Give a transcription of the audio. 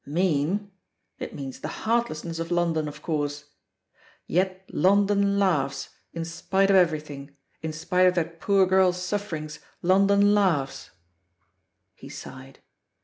"Mean? It means the heartlessness of Lon don, of course I 'Yet London Laughs'; in spite of everything — ^in spite of that poor girl's sujffer ings, London laughs 1" He sighed.